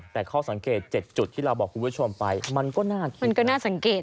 แต่ข้อสังเกต๗จุดที่เราบอกคุณผู้ชมไปมันก็น่ามันก็น่าสังเกต